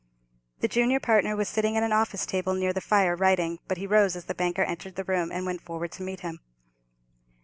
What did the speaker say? The junior partner was sitting at an office table near the fire writing, but he rose as the banker entered the room, and went forward to meet him.